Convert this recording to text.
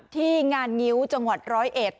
ที่งานงิ้วจังหวัดร้อยเอ็ด